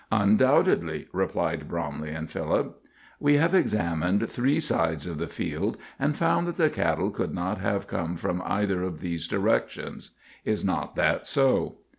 "Undoubtedly," replied Bromley and Philip. "We have examined three sides of the field, and found that the cattle could not have come from either of those directions. Is not that so?"